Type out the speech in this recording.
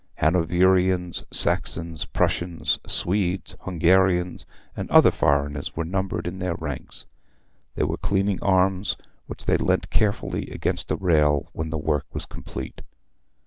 Hanoverians, Saxons, Prussians, Swedes, Hungarians, and other foreigners were numbered in their ranks. They were cleaning arms, which they leant carefully against a rail when the work was complete.